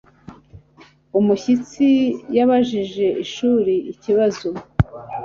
Umushyitsi yabajije ishuri ikibazo.